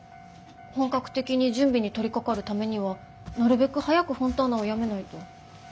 本格的に準備に取りかかるためにはなるべく早くフォンターナを辞めないと。